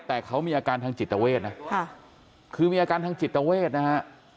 แต่เขามีอาการทางจิตเวทนะคือมีอาการทางจิตเวทนะฮะ